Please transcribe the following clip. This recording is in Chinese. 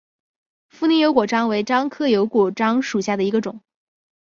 富宁油果樟为樟科油果樟属下的一个种。